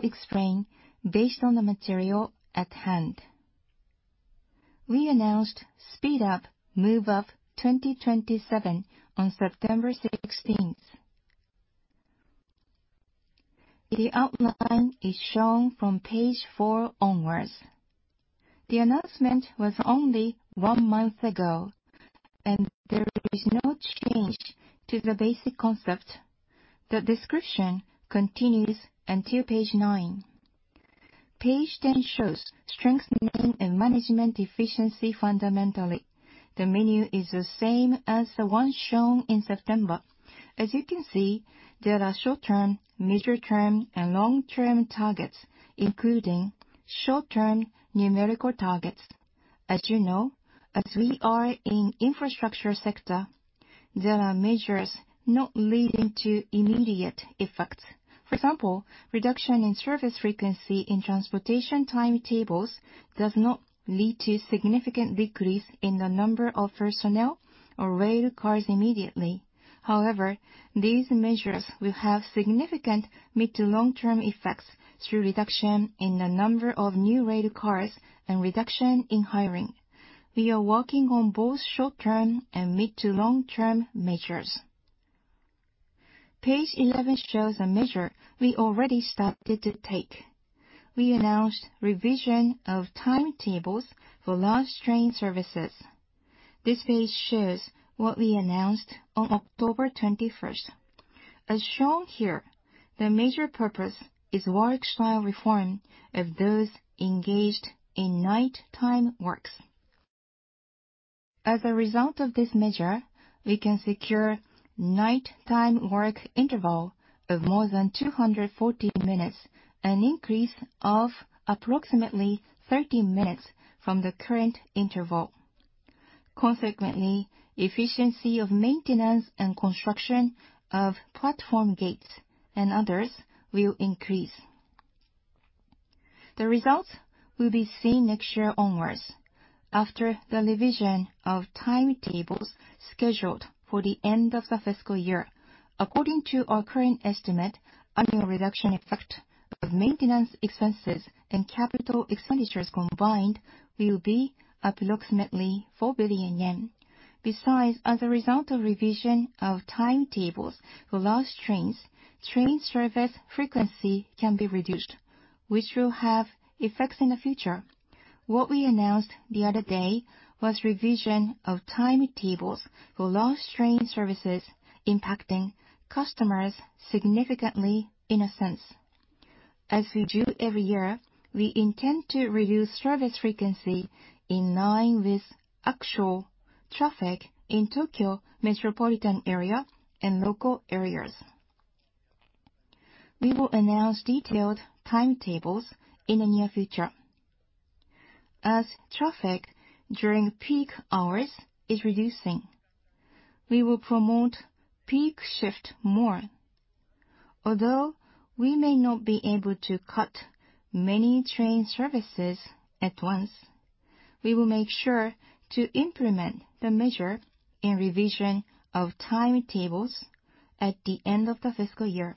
I will explain based on the material at hand. We announced Speed Up, Move Up 2027 on September 16th. The outline is shown from page four onwards. The announcement was only one month ago. There is no change to the basic concept. The description continues until page 9. Page 10 shows strengthening and management efficiency fundamentally. The menu is the same as the one shown in September. As you can see, there are short-term, mid-term, and long-term targets, including short-term numerical targets. As you know, as we are in infrastructure sector, there are measures not leading to immediate effects. For example, reduction in service frequency in transportation timetables does not lead to significant decrease in the number of personnel or rail cars immediately. These measures will have significant mid to long-term effects through reduction in the number of new rail cars and reduction in hiring. We are working on both short-term and mid to long-term measures. Page 11 shows a measure we already started to take. We announced revision of timetables for last train services. This page shows what we announced on October 21st. As shown here, the major purpose is work style reform of those engaged in nighttime works. As a result of this measure, we can secure nighttime work interval of more than 240 minutes, an increase of approximately 30 minutes from the current interval. Consequently, efficiency of maintenance and construction of platform gates and others will increase. The results will be seen next year onwards after the revision of timetables scheduled for the end of the fiscal year. According to our current estimate, annual reduction effect of maintenance expenses and capital expenditures combined will be approximately 4 billion yen. Besides, as a result of revision of timetables for last trains, train service frequency can be reduced, which will have effects in the future. What we announced the other day was revision of timetables for last train services, impacting customers significantly in a sense. As we do every year, we intend to reduce service frequency in line with actual traffic in Tokyo metropolitan area and local areas. We will announce detailed timetables in the near future. As traffic during peak hours is reducing, we will promote peak shift more. Although we may not be able to cut many train services at once, we will make sure to implement the measure and revision of timetables at the end of the fiscal year.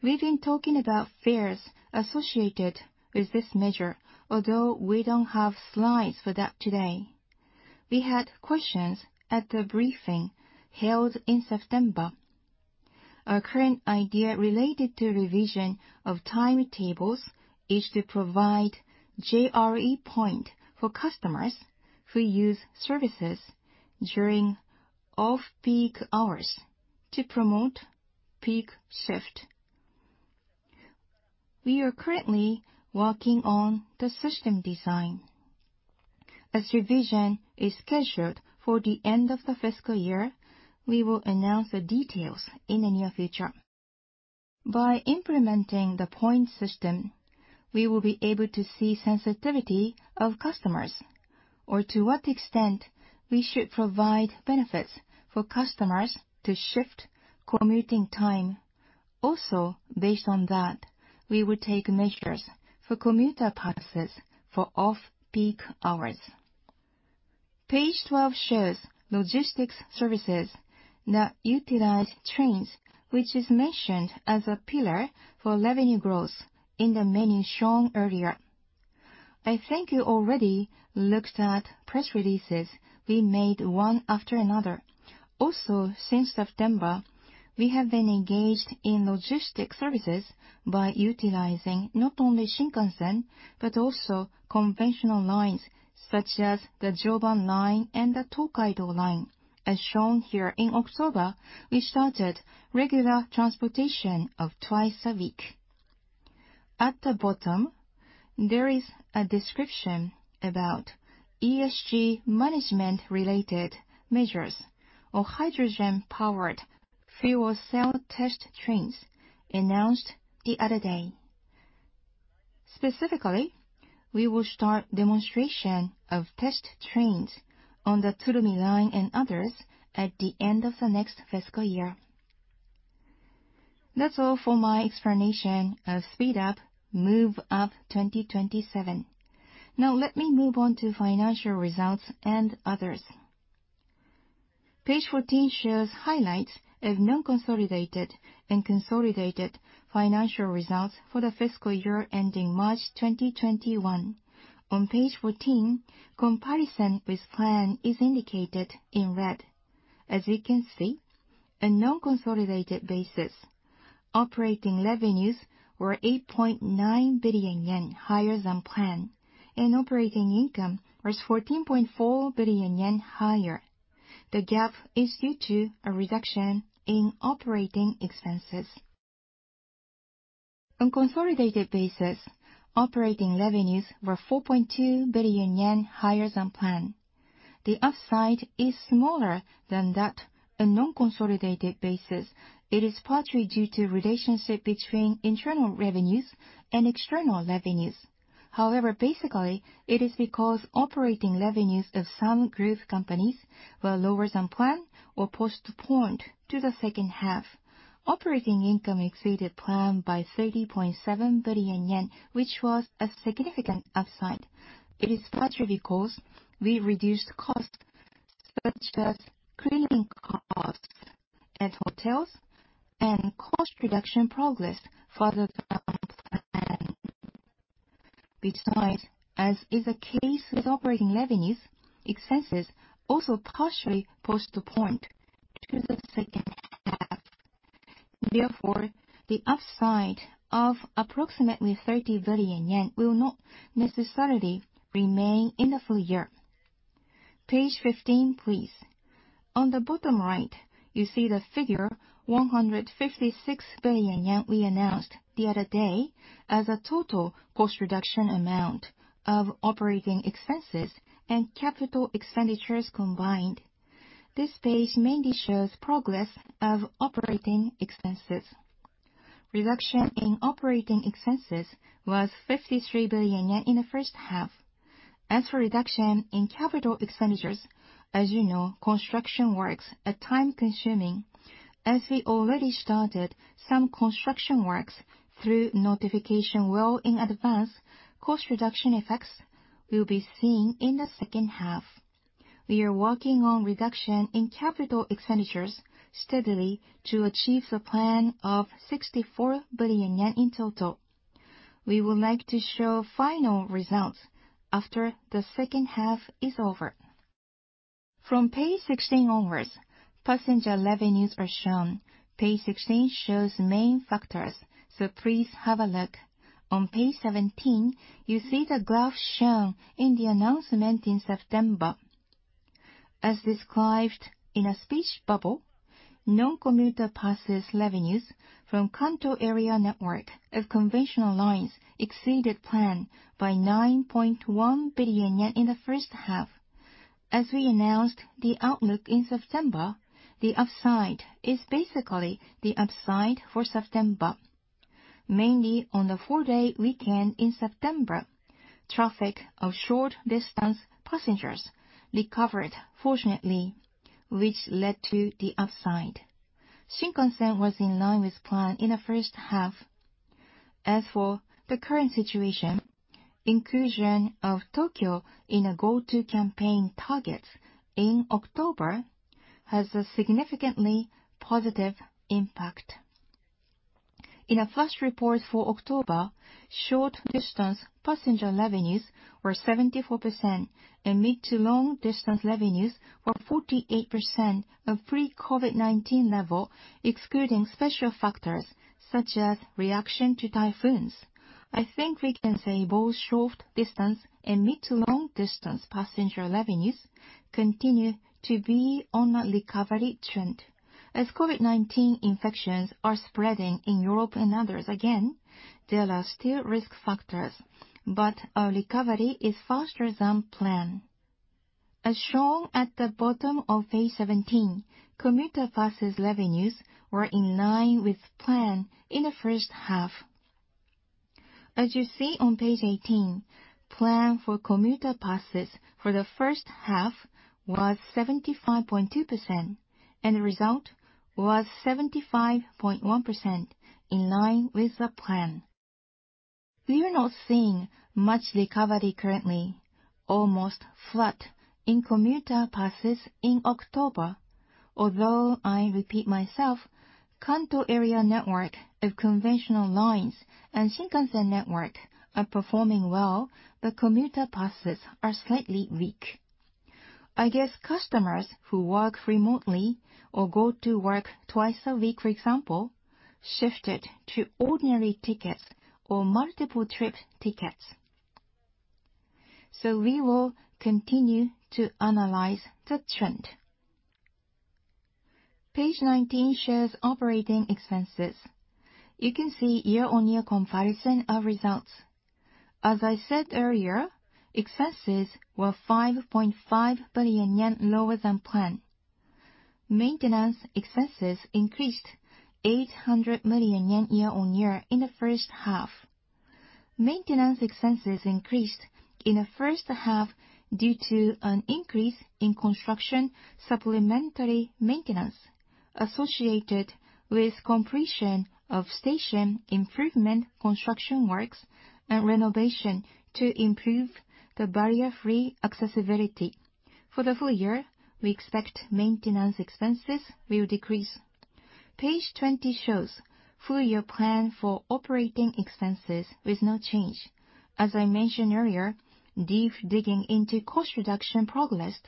We've been talking about fares associated with this measure, although we don't have slides for that today. We had questions at the briefing held in September. Our current idea related to revision of timetables is to provide JRE POINT for customers who use services during off-peak hours to promote peak shift. We are currently working on the system design. As revision is scheduled for the end of the fiscal year, we will announce the details in the near future. By implementing the point system, we will be able to see sensitivity of customers or to what extent we should provide benefits for customers to shift commuting time. Also, based on that, we will take measures for commuter passes for off-peak hours. Page 12 shows logistics services that utilize trains, which is mentioned as a pillar for revenue growth in the menu shown earlier. I think you already looked at press releases we made one after another. Also, since September, we have been engaged in logistics services by utilizing not only Shinkansen, but also conventional lines such as the Joban Line and the Tokaido Line, as shown here. In October, we started regular transportation of twice a week. At the bottom, there is a description about ESG management-related measures of hydrogen-powered fuel cell test trains announced the other day. Specifically, we will start demonstration of test trains on the Tsurumi Line and others at the end of the next fiscal year. That's all for my explanation of Speed Up, Move UP 2027. Let me move on to financial results and others. Page 14 shows highlights of non-consolidated and consolidated financial results for the fiscal year ending March 2021. On page 14, comparison with plan is indicated in red. As you can see, a non-consolidated basis, operating revenues were 8.9 billion yen higher than planned. Operating income was 14.4 billion yen higher. The gap is due to a reduction in operating expenses. On consolidated basis, operating revenues were 4.2 billion yen higher than planned. The upside is smaller than that on non-consolidated basis. It is partially due to relationship between internal revenues and external revenues. Basically it is because operating revenues of some group companies were lower than planned or postponed to the second half. Operating income exceeded plan by 30.7 billion yen, which was a significant upside. It is partially because we reduced costs such as cleaning costs at hotels and cost reduction progress farther down. As is the case with operating revenues, expenses also partially postponed to the second half. Therefore, the upside of approximately 30 billion yen will not necessarily remain in the full year. Page 15, please. On the bottom right, you see the figure 156 billion yen we announced the other day as a total cost reduction amount of operating expenses and capital expenditures combined. This page mainly shows progress of operating expenses. Reduction in operating expenses was 53 billion yen in the first half. As for reduction in capital expenditures, as you know, construction works are time-consuming. As we already started some construction works through notification well in advance, cost reduction effects will be seen in the second half. We are working on reduction in capital expenditures steadily to achieve the plan of 64 billion yen in total. We would like to show final results after the second half is over. From page 16 onwards, passenger revenues are shown. Page 16 shows main factors. Please have a look. On page 17, you see the graph shown in the announcement in September. As described in a speech bubble, non-commuter passes revenues from Kanto area network of conventional lines exceeded plan by 9.1 billion yen in the first half. As we announced the outlook in September, the upside is basically the upside for September. Mainly on the four-day weekend in September, traffic of short distance passengers recovered fortunately, which led to the upside. Shinkansen was in line with plan in the first half. As for the current situation, inclusion of Tokyo in a Go To campaign targets in October has a significantly positive impact. In a flash report for October, short distance passenger revenues were 74%, and mid to long distance revenues were 48% of pre-COVID-19 level, excluding special factors such as reaction to typhoons. I think we can say both short distance and mid to long distance passenger revenues continue to be on a recovery trend. As COVID-19 infections are spreading in Europe and others again, there are still risk factors, but our recovery is faster than planned. As shown at the bottom of page 17, commuter passes revenues were in line with plan in the first half. As you see on page 18, plan for commuter passes for the first half was 75.2%, and the result was 75.1%, in line with the plan. We are not seeing much recovery currently, almost flat in commuter passes in October. Although I repeat myself, Kanto area network of conventional lines and Shinkansen network are performing well, but commuter passes are slightly weak. I guess customers who work remotely or go to work twice a week, for example, shifted to ordinary tickets or multiple trip tickets. We will continue to analyze the trend. Page 19 shows operating expenses. You can see year-on-year comparison of results. As I said earlier, expenses were 5.5 billion yen lower than planned. Maintenance expenses increased 800 million yen year-on-year in the first half. Maintenance expenses increased in the first half due to an increase in construction supplementary maintenance associated with completion of station improvement construction works and renovation to improve the barrier-free accessibility. For the full year, we expect maintenance expenses will decrease. Page 20 shows full year plan for operating expenses with no change. As I mentioned earlier, deep digging into cost reduction progressed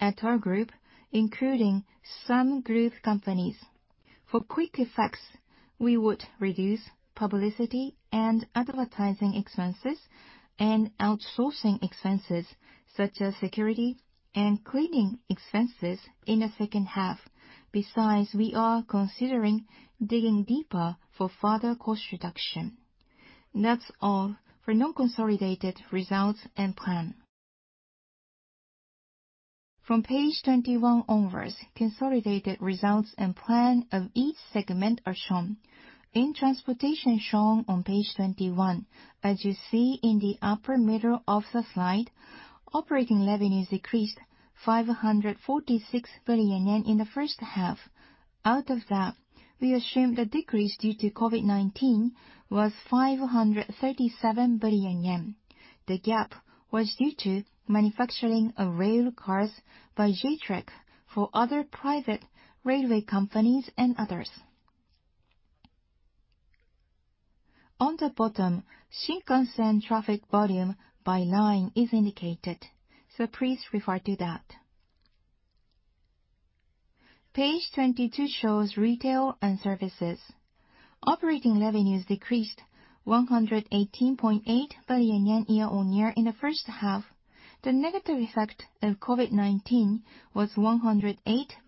at our group, including some group companies. For quick effects, we would reduce publicity and advertising expenses and outsourcing expenses such as security and cleaning expenses in the second half. Besides, we are considering digging deeper for further cost reduction. That's all for non-consolidated results and plan. From page 21 onwards, consolidated results and plan of each segment are shown. In transportation shown on page 21, as you see in the upper middle of the slide, operating revenues decreased 546 billion yen in the first half. Out of that, we assume the decrease due to COVID-19 was 537 billion yen. The gap was due to manufacturing of rail cars by J-TREC for other private railway companies and others. On the bottom, Shinkansen traffic volume by line is indicated, so please refer to that. Page 22 shows retail and services. Operating revenues decreased 118.8 billion yen year-on-year in the first half. The negative effect of COVID-19 was 108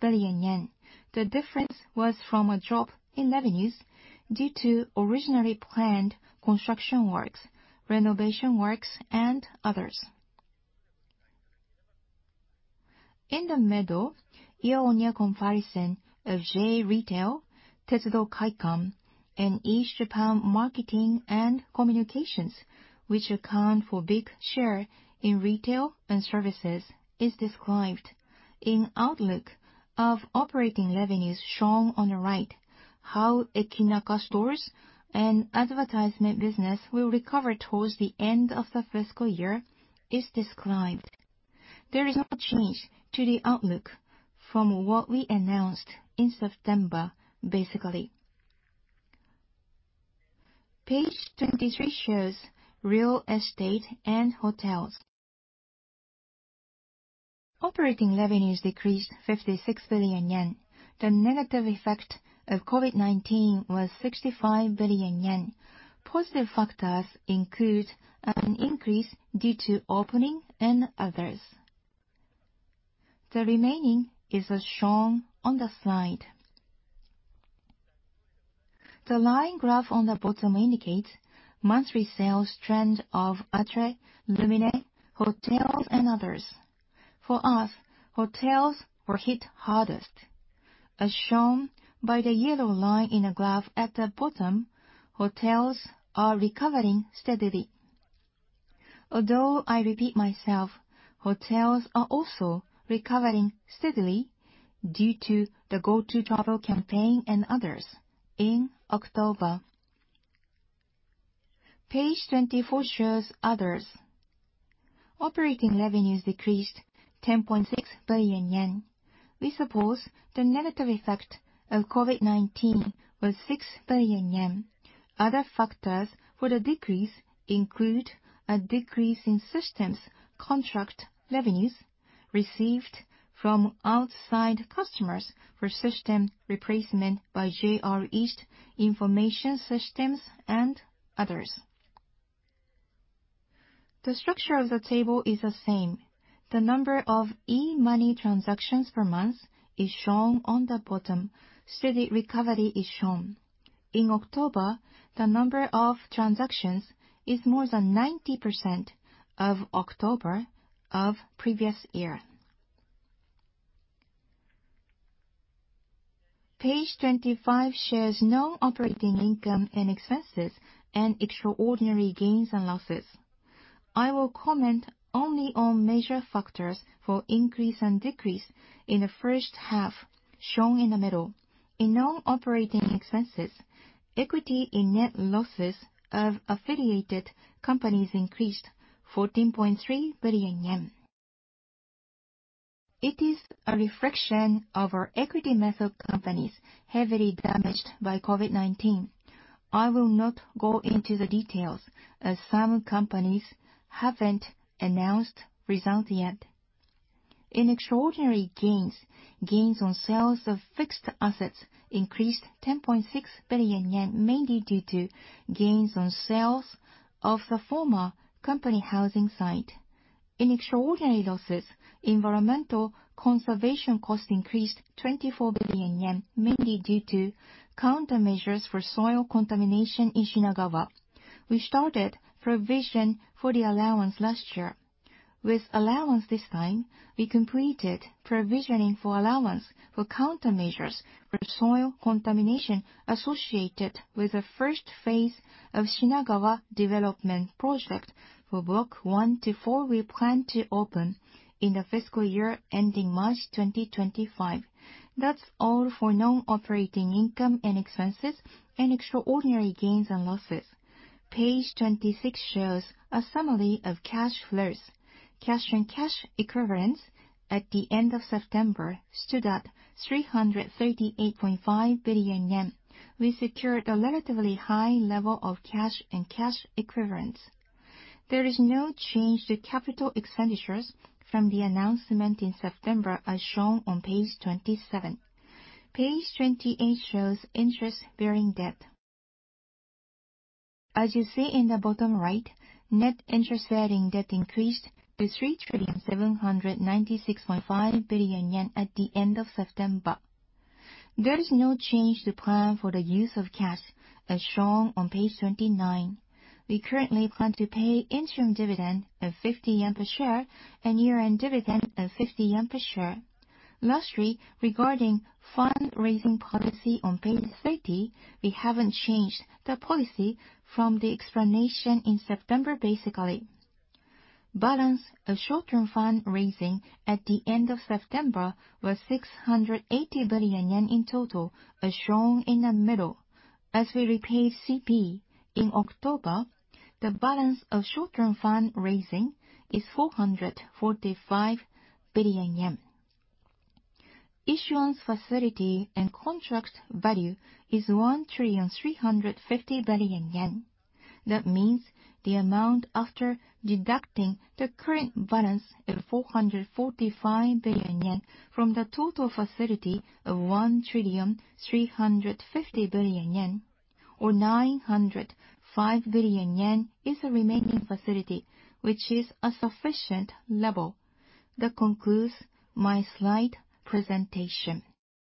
billion yen. The difference was from a drop in revenues due to originally planned construction works, renovation works, and others. In the middle, year-on-year comparison of JR East Retail Net, Tetsudo Kaikan, and East Japan Marketing and Communications, which account for big share in retail and services, is described. In outlook of operating revenues shown on the right, how Ekinaka stores and advertisement business will recover towards the end of the fiscal year is described. There is no change to the outlook from what we announced in September, basically. Page 23 shows real estate and hotels. Operating revenues decreased 56 billion yen. The negative effect of COVID-19 was 65 billion yen. Positive factors include an increase due to opening and others. The remaining is as shown on the slide. The line graph on the bottom indicates monthly sales trend of Atre, LUMINE, hotels, and others. For us, hotels were hit hardest. As shown by the yellow line in the graph at the bottom, hotels are recovering steadily. Although I repeat myself, hotels are also recovering steadily due to the Go To Travel campaign and others in October. Page 24 shows others. Operating revenues decreased 10.6 billion yen. We suppose the negative effect of COVID-19 was 6 billion yen. Other factors for the decrease include a decrease in systems contract revenues received from outside customers for system replacement by JR East Information Systems and others. The structure of the table is the same. The number of eMoney transactions per month is shown on the bottom. Steady recovery is shown. In October, the number of transactions is more than 90% of October of previous year. Page 25 shares non-operating income and expenses and extraordinary gains and losses. I will comment only on major factors for increase and decrease in the first half shown in the middle. In non-operating expenses, equity in net losses of affiliated companies increased 14.3 billion yen. It is a reflection of our equity method companies heavily damaged by COVID-19. I will not go into the details as some companies haven't announced results yet. In extraordinary gains on sales of fixed assets increased 10.6 billion yen, mainly due to gains on sales of the former company housing site. In extraordinary losses, environmental conservation cost increased 24 billion yen, mainly due to countermeasures for soil contamination in Shinagawa. We started provision for the allowance last year. With allowance this time, we completed provisioning for allowance for countermeasures for soil contamination associated with the first phase of Shinagawa development project for block 1 to 4. We plan to open in the fiscal year ending March 2025. That's all for non-operating income and expenses and extraordinary gains and losses. Page 26 shows a summary of cash flows. Cash and cash equivalents at the end of September stood at 338.5 billion yen. We secured a relatively high level of cash and cash equivalents. There is no change to capital expenditures from the announcement in September as shown on page 27. Page 28 shows interest-bearing debt. As you see in the bottom right, net interest-bearing debt increased to 3.7965 trillion yen at the end of September. There is no change to plan for the use of cash as shown on page 29. We currently plan to pay interim dividend of 50 yen per share and year-end dividend of 50 yen per share. Lastly, regarding fundraising policy on page 30, we haven't changed the policy from the explanation in September, basically. Balance of short-term fund raising at the end of September was 680 billion yen in total, as shown in the middle. As we repaid CP in October, the balance of short-term fund raising is 445 billion yen. Issuance facility and contract value is 1.350 trillion. That means the amount after deducting the current balance of 445 billion yen from the total facility of 1.350 trillion or 905 billion yen is the remaining facility, which is a sufficient level. That concludes my slide presentation.